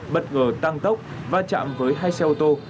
bất ngờ tăng tốc va chạm với hai xe ô tô